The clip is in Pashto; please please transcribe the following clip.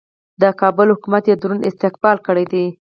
د کابل حکومت یې دروند استقبال کړی دی.